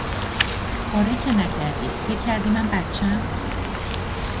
آره که نکردی، فکر کردی من بچهام؟